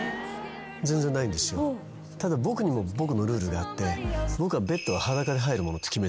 ただ僕にも僕のルールがあって僕は。